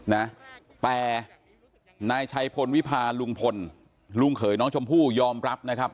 นะแต่นายชัยพลวิพาลุงพลลุงเขยน้องชมพู่ยอมรับนะครับ